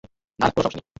না, না, কোন সমস্যা নেই।